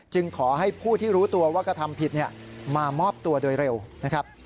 ขอให้ผู้ที่รู้ตัวว่ากระทำผิดมามอบตัวโดยเร็วนะครับ